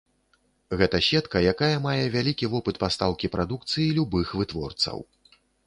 Гэта сетка, якая мае вялікі вопыт пастаўкі прадукцыі любых вытворцаў.